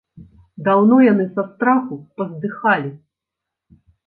Даўно яны са страху паздыхалі.